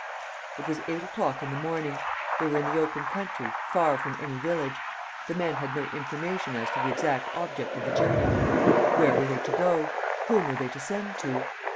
It was eight o'clock in the morning. They were in the open country, far from any village. The men had no information as to the exact object of the journey. Where were they to go? Whom were they to send to?